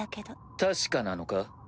確かなのか？